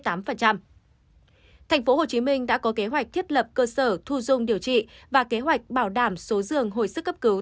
thành phố hồ chí minh đã có kế hoạch thiết lập cơ sở thu dung điều trị và kế hoạch bảo đảm số giường hồi sức cấp cứu